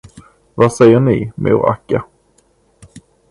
Vad säger ni, mor Akka?